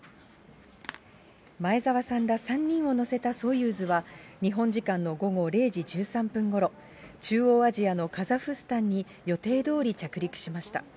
前澤さんら３人を乗せたソユーズは、日本時間の午後０時１３分ごろ、中央アジアのカザフスタンに、予定どおり着陸しました。